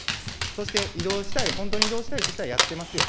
そして、移動したい、本当に移動したいという人は、やってますよ。